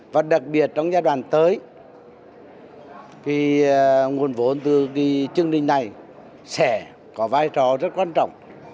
và đặc biệt trong giai đoạn tới nguồn vốn từ chương trình này sẽ có vai trò rất quan trọng